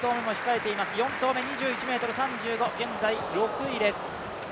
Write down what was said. ４投目２１ｍ３５、現在６位です。